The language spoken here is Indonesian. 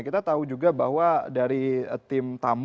kita tahu juga bahwa dari tim tamu